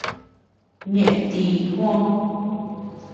¿Ñeʼe ti Juó?